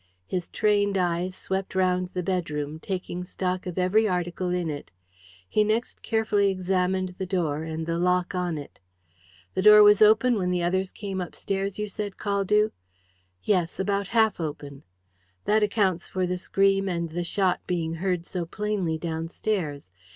His trained eyes swept round the bedroom, taking stock of every article in it. He next carefully examined the door, and the lock on it. "The door was open when the others came upstairs, you said, Caldew?" "Yes about half open." "That accounts for the scream and the shot being heard so plainly downstairs.